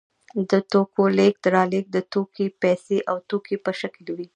د توکو لېږد رالېږد د توکي پیسې او توکي په شکل وي